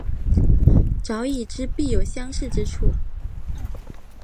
早已知道必有相似之处